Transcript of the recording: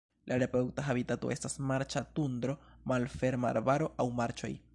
La reprodukta habitato estas marĉa tundro, malferma arbaro aŭ marĉoj.